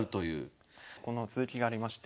この続きがありまして。